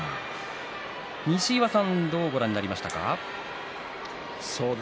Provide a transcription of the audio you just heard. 西岩さんどうご覧になりましたか？